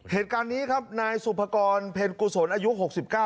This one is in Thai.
เหตุการณ์นี้ครับนายสุภกรเพ็ญกุศลอายุหกสิบเก้า